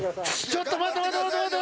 ちょっと待って待って！